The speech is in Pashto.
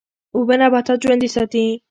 اوبه نباتات ژوندی ساتي.